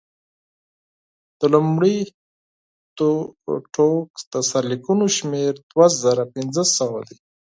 د لومړي ټوک د سرلیکونو شمېر دوه زره پنځه سوه دی.